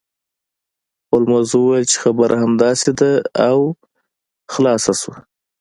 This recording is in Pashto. هولمز وویل چې خبره همداسې ده او خلاصه شوه